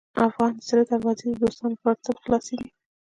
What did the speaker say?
د افغان د زړه دروازې د دوستانو لپاره تل خلاصې دي.